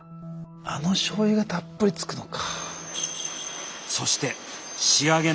あの醤油がたっぷりつくのか。